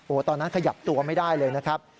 ตอนนั้นขยับตัวไม่ได้เลยนะครับ